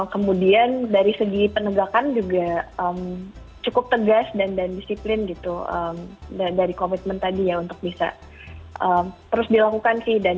kemudian dari segi penegakan juga cukup tegas dan disiplin gitu dari komitmen tadi ya untuk bisa terus dilakukan sih